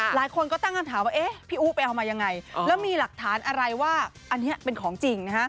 หลายคนก็ตั้งคำถามว่าเอ๊ะพี่อู๋ไปเอามายังไงแล้วมีหลักฐานอะไรว่าอันนี้เป็นของจริงนะฮะ